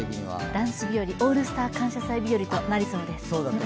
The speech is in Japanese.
ダンス日より、「オールスター感謝祭」日よりとなりそうです。